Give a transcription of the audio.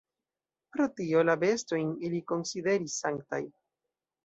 Pro tio, la bestojn ili konsideris sanktaj.